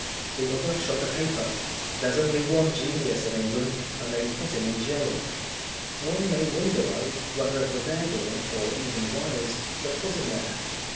The other shook a paper: "There is only one genius in England and they have put him in jail." One may wonder though whether it were their doing, or even Wilde's, that put him there.